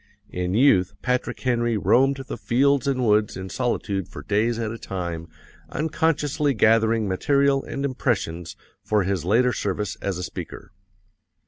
In youth Patrick Henry roamed the fields and woods in solitude for days at a time unconsciously gathering material and impressions for his later service as a speaker.